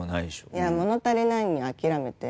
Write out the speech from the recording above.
いや物足りないのに諦めて。